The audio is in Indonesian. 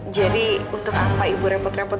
jadi untuk apa ibu repot repot